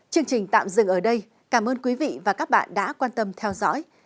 chương trình tạm dừng ở đây cảm ơn quý vị và các bạn đã quan tâm theo dõi